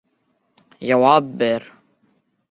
Яуап бер.